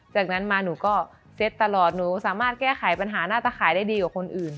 จากนั้นมาหนูก็เซ็ตตลอดหนูสามารถแก้ไขปัญหาหน้าตะขายได้ดีกว่าคนอื่น